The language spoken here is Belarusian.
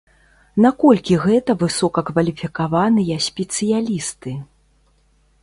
Наколькі гэта высока кваліфікаваныя спецыялісты?